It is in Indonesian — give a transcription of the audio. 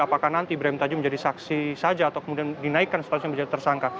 apakah nanti ibrahim tajuh menjadi saksi saja atau kemudian dinaikkan statusnya menjadi tersangka